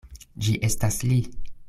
Ĝi estas li!